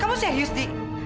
kamu serius dika